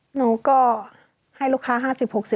หนูก็ให้ลูกค้า๕๐๖๐